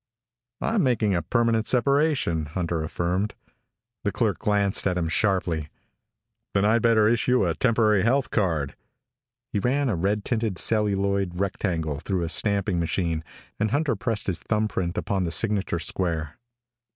"I'm making a permanent separation," Hunter affirmed. The clerk glanced at him sharply. "Then I'd better issue a temporary health card." He ran a red tinted, celluloid rectangle through a stamping machine and Hunter pressed his thumbprint upon the signature square.